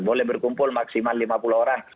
boleh berkumpul maksimal lima puluh orang